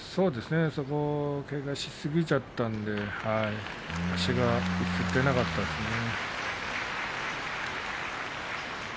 そこを警戒しすぎちゃったので足が出なかったですね。